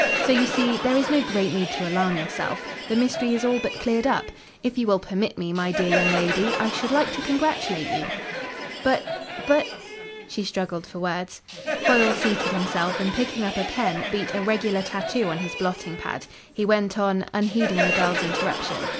"So you see, there is no great need to alarm yourself. The mystery is all but cleared up. If you will permit me, my dear young lady, I should like to congratulate you." "But but " She struggled for words. Foyle seated himself, and picking up a pen beat a regular tattoo on his blotting pad. He went on, unheeding the girl's interruption.